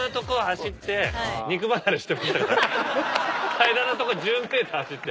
平らなとこ１０ｍ走って。